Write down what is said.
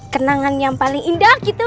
kenangan yang paling indah gitu